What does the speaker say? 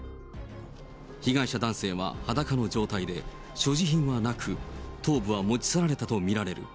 被害者男性は裸の状態で所持品はなく、頭部は持ち去られたと見られる。